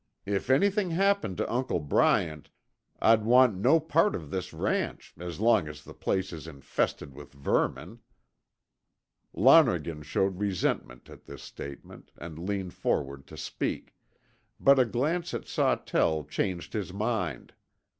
If anything happened to Uncle Bryant, I'd want no part of this ranch as long as the place is infested with vermin." Lonergan showed resentment at this statement, and leaned forward to speak, but a glance at Sawtell changed his mind.